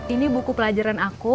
ini buku pelajaran aku